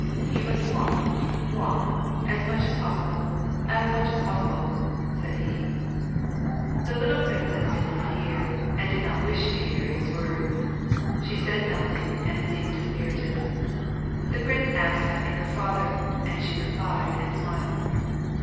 " You must walk, walk, as much as possible ; as much as possible, " said he. The little princess did not hear, and did not wish to hear his words. She said nothing, and seemed dispirited. The prince asked after her father, and she replied and smiled.